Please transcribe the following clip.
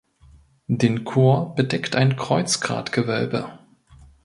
Den Chor bedeckt ein Kreuzgratgewölbe.